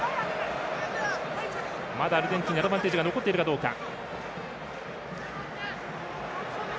まだ、アルゼンチンにアドバンテージが残っているかどうか。